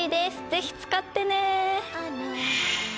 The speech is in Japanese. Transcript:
ぜひ使ってね！